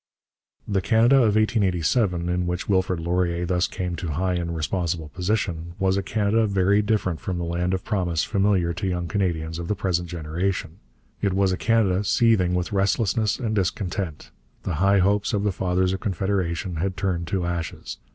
The Canada of 1887, in which Wilfrid Laurier thus came to high and responsible position, was a Canada very different from the land of promise familiar to young Canadians of the present generation. It was a Canada seething with restlessness and discontent. The high hopes of the Fathers of Confederation had turned to ashes.